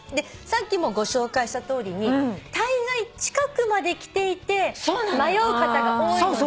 さっきもご紹介したとおりにたいがい近くまで来ていて迷う方が多いので。